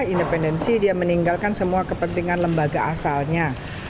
independensi dia meninggalkan semua kepentingan lembaga asalnya